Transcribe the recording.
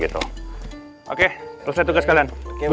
gitu oke terusnya tugas kalian